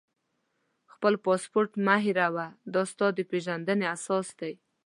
خپل پاسپورټ مه هېروه، دا ستا د پېژندنې اساس دی.